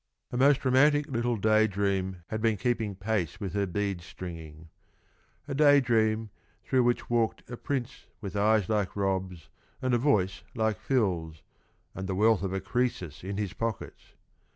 A most romantic little day dream had been keeping pace with her bead stringing. A day dream through which walked a prince with eyes like Rob's and a voice like Phil's, and the wealth of a Croesus in his pockets.